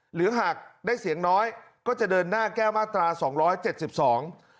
หรือหากได้เสียงน้อยก็จะเดินหน้าแก้มาตราสองร้อยเจ็ดสิบสอง